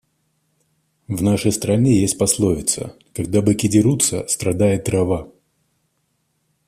В нашей стране есть пословица: когда быки дерутся, страдает трава.